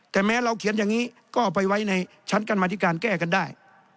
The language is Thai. แต่แม้เราเขียนอย่างนี้ก็เอาไปไว้ในชั้นกรรมธิการแก้กันได้